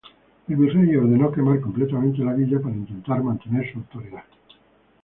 El virrey ordenó quemar completamente la villa para intentar mantener su autoridad.